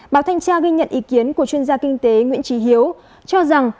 báo thanh tra ghi nhận ý kiến của chuyên gia kinh tế nguyễn trí hiếu cho rằng